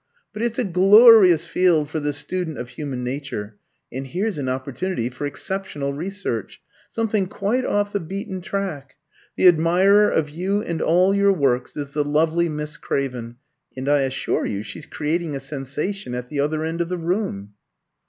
But it's a glorious field for the student of human nature. And here's an opportunity for exceptional research something quite off the beaten track. The admirer of you and all your works is the lovely Miss Craven, and I assure you she's creating a sensation at the other end of the room."